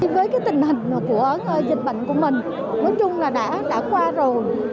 với tình hình của dịch bệnh của mình nói chung là đã qua rồi